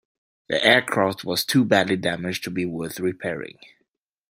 The aircraft was too badly damaged to be worth repairing.